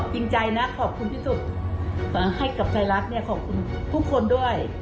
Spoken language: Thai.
จริงใจนะขอบคุณที่สุดให้กับไทยรัฐเนี่ยขอบคุณทุกคนด้วย